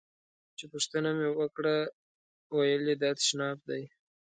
چې پوښتنه مې وکړه ویل یې دا تشناب دی.